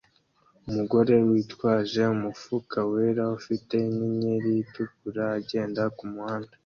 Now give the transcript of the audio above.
Umugore witwaje umufuka wera ufite inyenyeri itukura agenda kumuhanda